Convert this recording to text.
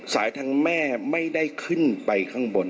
ทางแม่ไม่ได้ขึ้นไปข้างบน